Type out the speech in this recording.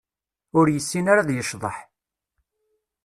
Ur yessin ara ad yecḍeḥ.